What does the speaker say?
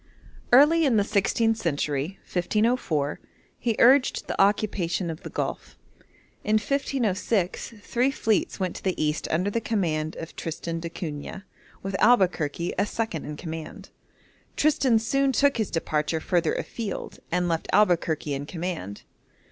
Early in the sixteenth century (1504), he urged the occupation of the Gulf. In 1506 three fleets went to the East under the command of Tristan d'Acunha, with Albuquerque as second in command. Tristan soon took his departure further afield, and left Albuquerque in command.